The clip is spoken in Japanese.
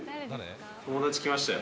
友達来ましたよ。